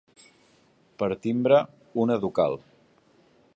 Per timbre, una ducal.